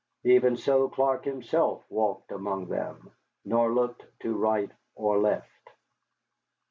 Even so Clark himself walked among them, nor looked to right or left.